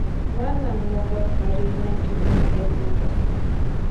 Manan nuqaqa riymanchu imaraykupas